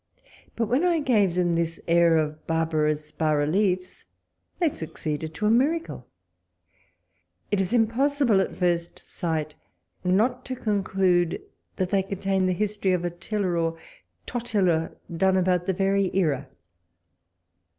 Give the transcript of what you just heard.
but when I gave them this air of barbarous bas reliefs, they succeeded to a miracle : it is impossible at first sight not to conclude that they contain the history of Attila or Tottila, done about the very sera.